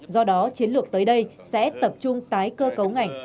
do đó chiến lược tới đây sẽ tập trung tái cơ cấu ngành